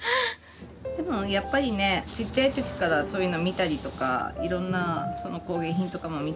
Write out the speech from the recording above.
でもやっぱりねちっちゃい時からそういうの見たりとかいろんな工芸品とかも見てるからね。